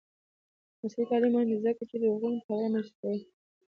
عصري تعلیم مهم دی ځکه چې د حقونو پوهاوی رامنځته کوي.